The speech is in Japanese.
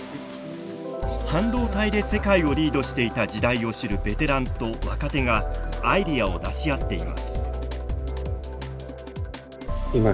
半導体で世界をリードしていた時代を知るベテランと若手がアイデアを出し合っています。